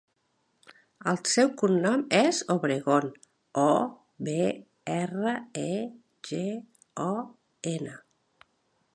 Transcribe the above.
El seu cognom és Obregon: o, be, erra, e, ge, o, ena.